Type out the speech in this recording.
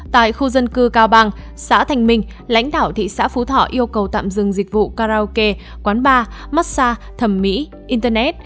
tại khu dân cư cao bằng xã thanh minh lãnh đạo thị xã phú thọ yêu cầu tạm dừng dịch vụ karaoke quán bar massage thẩm mỹ internet